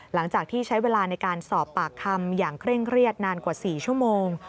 หลังจากที่ใช้เวลาในการสอบปากคำอย่างเคร่งเครียดนานกว่า๔ชั่วโมง